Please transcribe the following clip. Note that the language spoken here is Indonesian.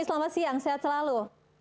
selamat siang sehat selalu